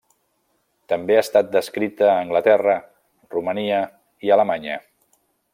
També ha estat descrita a Anglaterra, Romania i Alemanya.